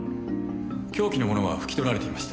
凶器のものは拭き取られていました。